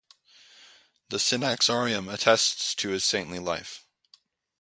The Synaxarium attests to his saintly life.